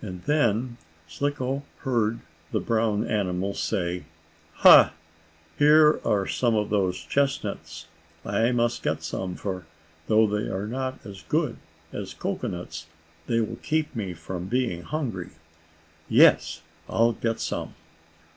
And then Slicko heard the brown animal say: "Ha! Here are some of those chestnuts! I must get some, for, though they are not as good as cocoanuts, they will keep me from being hungry. Yes, I'll get some!"